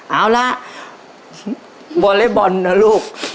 เอาละวอเล็กบอลนะลูก